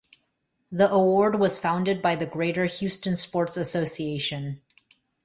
The award was founded by the Greater Houston Sports Association.